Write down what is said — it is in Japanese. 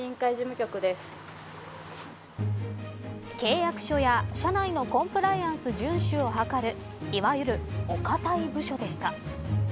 契約書や社内のコンプライアンス順守を図るいわゆるお堅い部署でした。